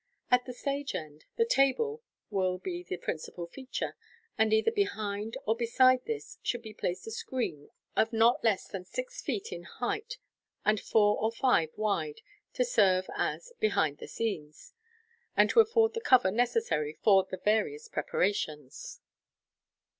At the stage end, the "table" will be the principal feature, and either behind or be side this, should be placed a screen of not less than six feet in height, and four or five wide, to serve as "behind the scenes," and to afford the cover necessary for the various preparations.